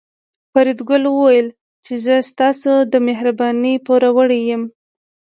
فریدګل وویل چې زه ستاسو د مهربانۍ پوروړی یم